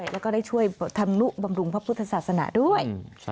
และบำรุงพระพุทธศาสนาด้วย